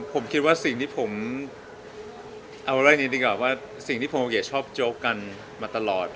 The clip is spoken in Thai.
ผมคิดว่าสิ่งที่ผมเอาเรื่องนี้ดีกว่าว่าสิ่งที่ภูเก็ตชอบโจ๊กกันมาตลอด